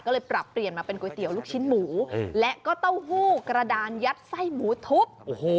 ก็เลยปรับเปลี่ยนมาเป็นก๋วยเตี๋ยวลูกชิ้นหมูและก็เต้าหู้กระดานยัดไส้หมูทุบ